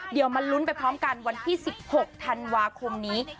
เดี๋ยวมาลุ้นไปพร้อมกันวันที่๑๖ธันวาคมนี้